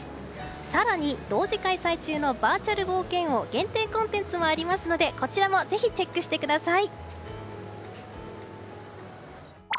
更に同時開催中のバーチャル冒険王限定コンテンツもありますのでこちらもチェックしてください。